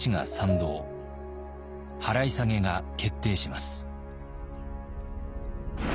払下げが決定します。